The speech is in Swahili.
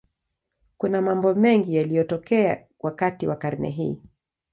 Kuna mambo mengi yaliyotokea wakati wa karne hii.